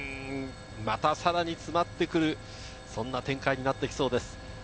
さらに詰まってきそうな展開になってきそうです。